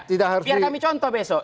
biar kami contoh besok